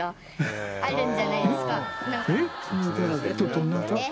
どんな歌？